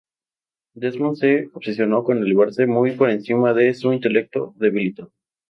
Desmond se obsesionó con elevarse muy por encima de su intelecto debilitado.